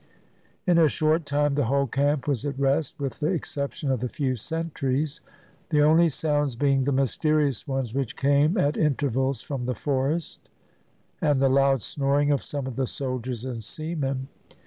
In a short time the whole camp was at rest, with the exception of the few sentries, the only sounds being the mysterious ones which came at intervals from the forest, and the loud snoring of some of the soldiers and seamen.